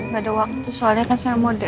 gak ada waktu soalnya kan saya model